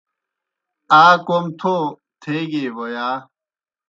آ کوْم تھو تھیگیئی بوْ یا؟